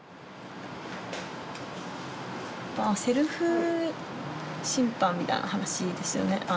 ああセルフ審判みたいな話ですよね。